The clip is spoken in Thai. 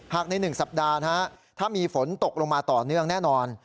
ใน๑สัปดาห์ถ้ามีฝนตกลงมาต่อเนื่องแน่นอน